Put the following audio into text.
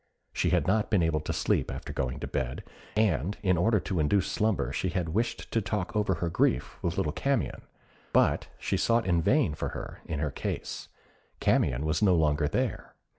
She had not been able to sleep after going to bed, and in order to induce slumber she had wished to talk over her grief with little Camion; but she sought in vain for her in her case: Camion was no longer there.